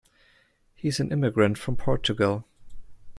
He's an immigrant from Portugal.